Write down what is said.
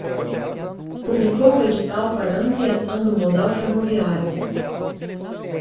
Publicou o edital para ampliação do modal ferroviário